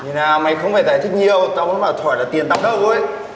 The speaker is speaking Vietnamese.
nhìn nào mày không phải giải thích nhiều tao vẫn bảo là tiền tao đâu